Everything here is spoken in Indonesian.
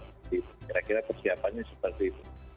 kira kira persiapannya seperti itu